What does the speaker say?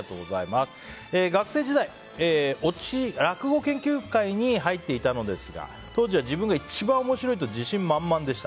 学生時代、落語研究会に入っていたのですが当時は自分が一番面白いと自信満々でした。